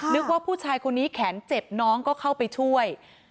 นึกว่าผู้ชายคนนี้แขนเจ็บน้องก็เข้าไปช่วย